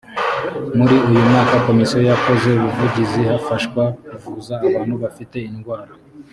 muri uyu mwaka komisiyo yakoze ubuvugizi hafashwa kuvuza abantu bafite indwara